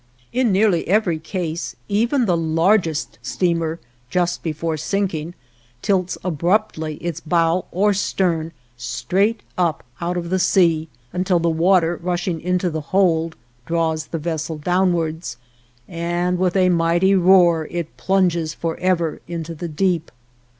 In nearly every case, even the largest steamer, just before sinking, tilts abruptly its bow or stern straight up out of the sea, until the water rushing into the hold draws the vessel downwards, and with a mighty roar it plunges forever into the deep.